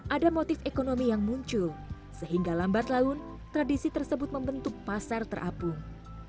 ada motif ekonomi yang muncul sehingga lambat laun tradisi tersebut membentuk pasar terapung